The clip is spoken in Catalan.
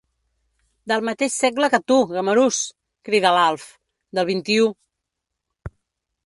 Del mateix segle que tu, gamarús! —cridà l'Alf— Del vint-i-ú.